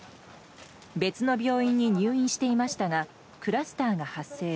別の病院に入院していましたがクラスターが発生。